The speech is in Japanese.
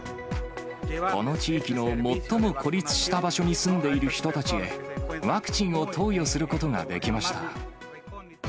この地域の最も孤立した場所に住んでいる人たちへ、ワクチンを投与することができました。